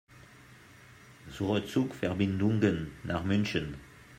Suche Zugverbindungen nach München.